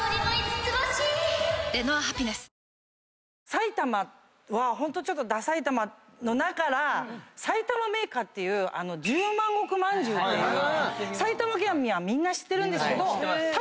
埼玉はホントダサいたまの名から埼玉銘菓っていう十万石まんじゅうっていう埼玉県民はみんな知ってるんですけど。